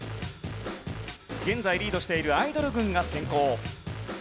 現在リードしているアイドル軍が先攻。